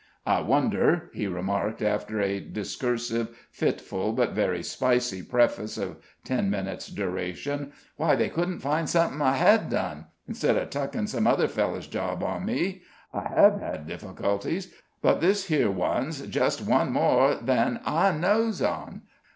"I wonder," he remarked, after a discursive, fitful, but very spicy preface of ten minutes' duration, "why they couldn't find somethin' I hed done, instead of tuckin' some other feller's job on me? I hev had difficulties, but this here one's just one more than I knows on.